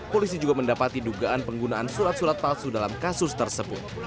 polisi juga mendapati dugaan penggunaan surat surat palsu dalam kasus tersebut